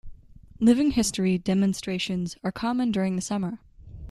Living history demonstrations are common during the summer.